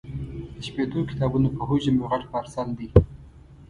د شپېتو کتابونو په حجم یو غټ پارسل دی.